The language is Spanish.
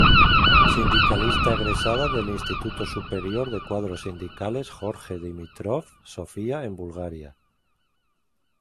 Sindicalista egresada del Instituto Superior de Cuadros Sindicales Jorge Dimitrov, Sofía en Bulgaria.